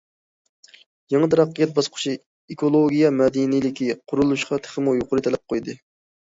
يېڭى تەرەققىيات باسقۇچى ئېكولوگىيە مەدەنىيلىكى قۇرۇلۇشىغا تېخىمۇ يۇقىرى تەلەپ قويدى.